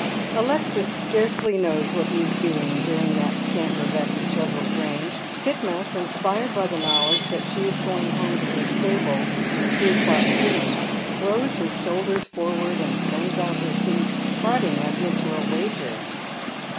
^^iftxis scarcely knows what he is doing during that scamper back to Cheswold Grange. Titmouse, inspirited by the knowledge that she is going home to her stable and two o'clock feed, throws her shoulders foz"\vard and sends out her feet, ti otting as if for a wager.